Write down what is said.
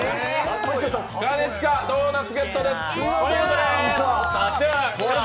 兼近、ドーナツゲットです！